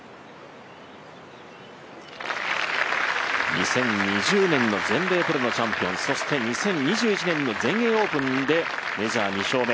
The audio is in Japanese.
２０２０年の全米プロのチャンピオンそして２０２１年の全英オープンでメジャー２勝目。